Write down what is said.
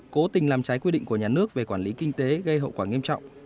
cố tình làm trái quy định của nhà nước về quản lý kinh tế gây hậu quả nghiêm trọng